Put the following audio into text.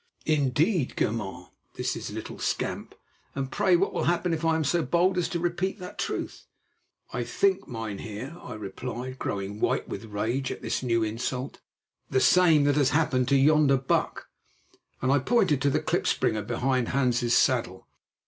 "Indeed, gamin" (that is, little scamp), "and pray, what will happen if I am so bold as to repeat that truth?" "I think, mynheer," I replied, growing white with rage at this new insult, "the same that has happened to yonder buck," and I pointed to the klipspringer behind Hans's saddle.